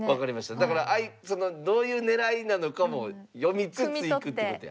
だからどういう狙いなのかも読みつついくってことや。